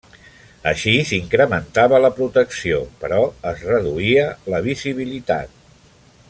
Així s'incrementava la protecció, però es reduïa la visibilitat.